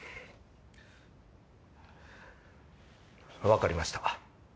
分かりました。